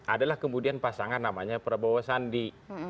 adalah kemudian pasangan namanya prabowo sandi